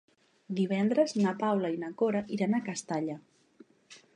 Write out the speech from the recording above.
Divendres na Paula i na Cora iran a Castalla.